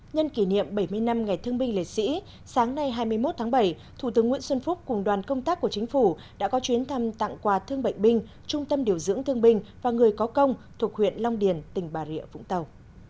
nhân kỷ niệm bảy mươi năm ngày thương binh liệt sĩ sáng nay hai mươi một tháng bảy thủ tướng nguyễn xuân phúc cùng đoàn công tác của chính phủ đã có chuyến thăm tặng quà thương bệnh binh trung tâm điều dưỡng thương binh và người có công thuộc huyện long điền tỉnh bà rịa vũng tàu